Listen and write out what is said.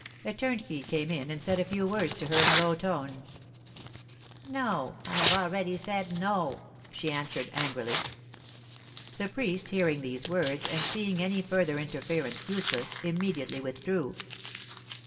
A turnkey came in and said a few words to her in a low tone. "No, I have already said no!" she answered, angrily. The priest hearing these words, and seeing any further interference useless, immediately withdrew.